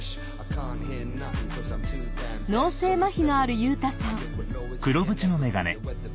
脳性まひのある優太さん